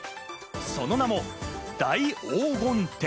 その名も大黄金展！